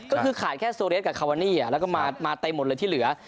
ก็คือขายแค่โซเรสกับคาวานี่แล้วก็มาเต็มหมดเลยที่เหลือ